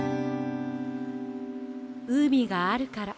うみがあるから。